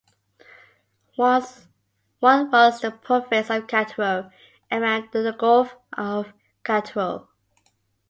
One was the "Province of Cattaro", around the "Gulf of Cattaro".